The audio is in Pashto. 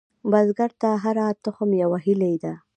بزګر ته هره تخم یوه هیلې ده